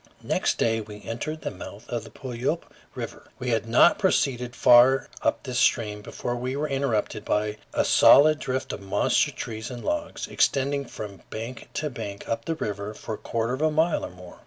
Next day we entered the mouth of the Puyallup River. We had not proceeded far up this stream before we were interrupted by a solid drift of monster trees and logs, extending from bank to bank up the river for a quarter of a mile or more.